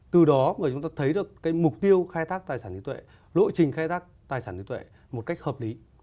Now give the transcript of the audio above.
từ đó mà chúng ta thấy được cái mục tiêu khai thác tài sản trí tuệ lộ trình khai thác tài sản trí tuệ một cách hợp lý